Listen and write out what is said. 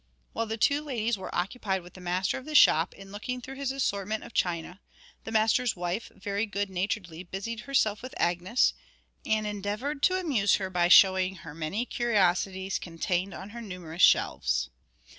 While the two ladies were occupied with the master of the shop in looking through his assortment of china, the master's wife very good naturedly busied herself with Agnes, and endeavoured to amuse her by showing her many curiosities contained on her numerous shelves.